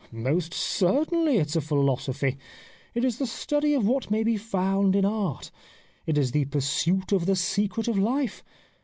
*'* Most certainly it is a philosophy. It is the study of what may be found in art. It is the pursuit of the secret of life.